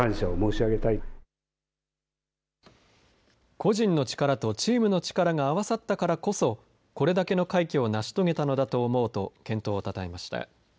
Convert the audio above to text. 個人の力とチームの力が合わさったからこそ、これだけの快挙を成し遂げたのだと思うと健闘をたたえました。